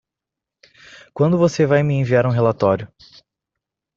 Quando você vai me enviar um relatório?